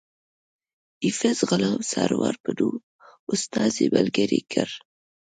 ایفز غلام سرور په نوم استازی ملګری کړ.